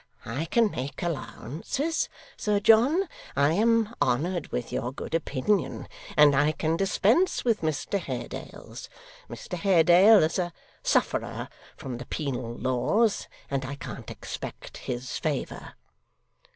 I can make allowances, Sir John. I am honoured with your good opinion, and I can dispense with Mr Haredale's. Mr Haredale is a sufferer from the penal laws, and I can't expect his favour.